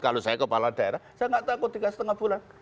kalau saya kepala daerah saya nggak takut tiga lima bulan